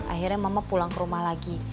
akhirnya mama pulang ke rumah lagi